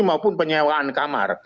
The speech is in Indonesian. maupun penyewaan kamar